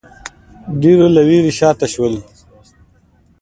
ډېرو له وېرې شا ته شول